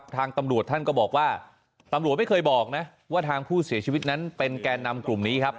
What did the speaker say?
ทางตำรวจท่านก็บอกว่าตำรวจไม่เคยบอกนะว่าทางผู้เสียชีวิตนั้นเป็นแก่นำกลุ่มนี้ครับ